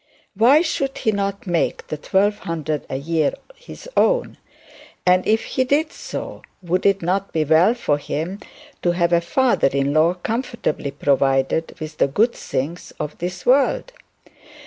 Why should he not make the twelve hundred a year his own? And if he did so, would it not be well for him to have a father in law comfortably provided with the good things of this world?